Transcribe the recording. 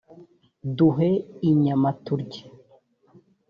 duhe inyama turye